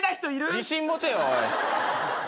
自信持てよおい。